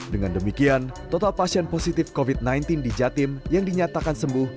dengan demikian total pasien positif covid sembilan belas di jatim yang dinyatakan sembuh